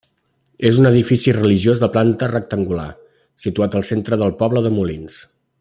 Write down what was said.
És un edifici religiós de planta rectangular, situat al centre del poble de Molins.